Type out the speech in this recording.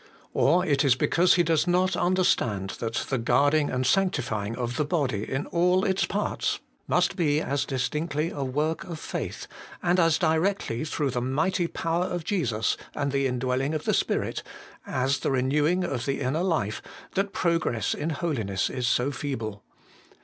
Or it is because he does not Understand that the guarding and sanctifying of the body in all its parts must be as distinctly a work of faith, and as directly through the mighty power of Jesus and the indwelling of the Spirit, as the renewing of the inner life, that progress in holiness is so feeble.